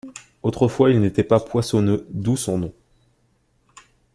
Autrefois, il n'était pas poissonneux d'où son nom.